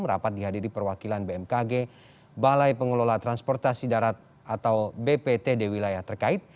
rapat dihadiri perwakilan bmkg balai pengelola transportasi darat atau bptd wilayah terkait